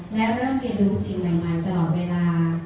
และเริ่มเรียนรู้สิ่งใหม่ตลอดเวลา